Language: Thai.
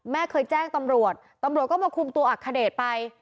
แม่เคยแจ้งตำรวจตำรวจก็มาคุมตัวอักขเดชไป